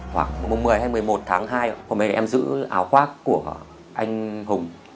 khoảng mùng một mươi hay một mươi một tháng hai hôm nay em giữ áo khoác của anh hùng